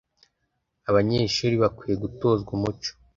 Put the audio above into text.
abanyeshuri bakwiye gutozwa umuco